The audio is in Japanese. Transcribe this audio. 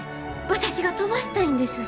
私が飛ばしたいんです。